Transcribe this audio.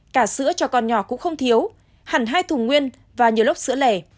cả sữa cho con nhỏ cũng không thiếu hẳn hai thùng nguyên và nhiều lốc sữa lẻ